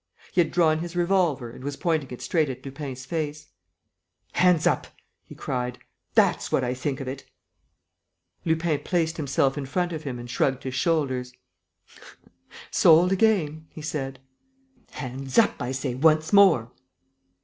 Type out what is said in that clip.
He had drawn his revolver and was pointing it straight at Lupin's face. "Hands up!" he cried. "That's what I think of it!" Lupin placed himself in front of him and shrugged his shoulders: "Sold again!" he said. "Hands up, I say, once more!"